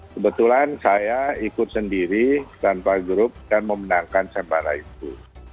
kebetulan saya ikut sendiri tanpa grup dan memenangkan sembara itu